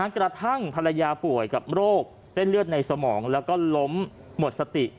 กระทั่งภรรยาป่วยกับโรคเส้นเลือดในสมองแล้วก็ล้มหมดสติ